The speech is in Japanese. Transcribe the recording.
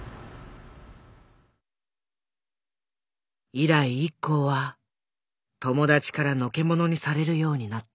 以来ＩＫＫＯは友達からのけ者にされるようになった。